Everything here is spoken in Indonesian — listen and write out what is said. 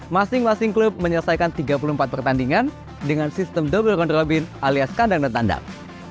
masing masing klub menyelesaikan tiga puluh empat pertandingan dengan sistem double round robin alias kandang dan tandang